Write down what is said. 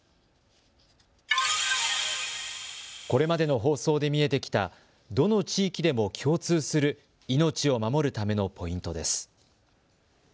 これまでの放送で見えてきたどの地域でも共通する命を守るためのポイントです。